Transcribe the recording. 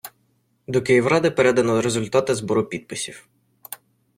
До Київради передано результати збору підписів.